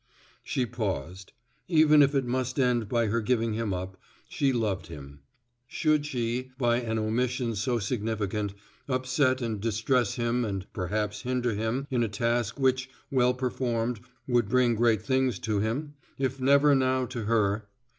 _ She paused. Even if it must end by her giving him up, she loved him. Should she, by an omission so significant, upset and distress him and perhaps hinder him in a task which, well performed, would bring great things to him, if never now to her!